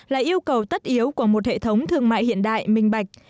là yêu cầu tất yếu của một hệ thống thương mại hiện đại minh bạch